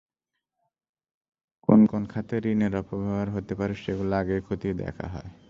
কোন কোন খাতে ঋণের অপব্যবহার হতে পারে, সেগুলো আগেই খতিয়ে দেখা হয়।